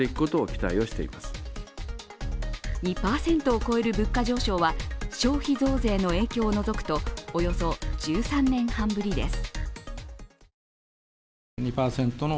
２％を超える物価上昇は消費増税の影響を除くとおよそ１３年半ぶりです。